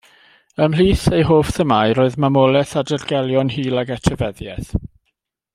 Ymhlith ei hoff themâu roedd mamolaeth a dirgelion hil ac etifeddiaeth.